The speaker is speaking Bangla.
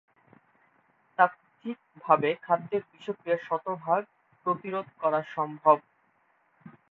তাত্ত্বিকভাবে খাদ্যের বিষক্রিয়া শতভাগ প্রতিরোধ করা সম্ভব।